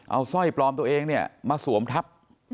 เอาสร้อยปลอมตัวเองเนี่ยมาสวมทับ